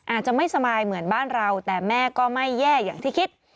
อาจจะไม่สบายเหมือนบ้านเราแต่แม่ก็ไม่แย่อย่างที่คิด